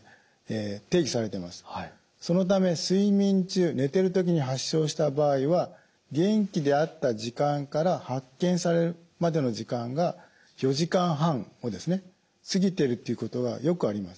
そのため睡眠中寝てる時に発症した場合は元気であった時間から発見されるまでの時間が４時間半を過ぎてるっていうことはよくあります。